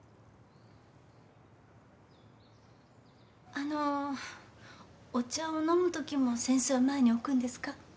あのお茶を飲むときも扇子は前に置くんですか？